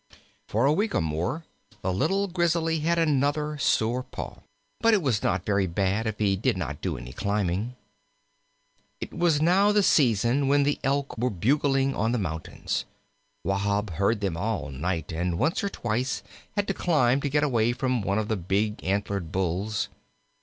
For a week or more the little Grizzly had another sore paw, but it was not very bad if he did not do any climbing. It was now the season when the Elk were bugling on the mountains. Wahb heard them all night, and once or twice had to climb to get away from one of the big antlered Bulls.